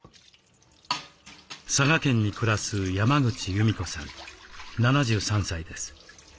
佐賀県に暮らす山口由美子さん７３歳です。